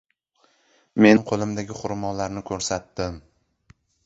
Men qo‘limdagi xurmolarni ko‘rsatdim.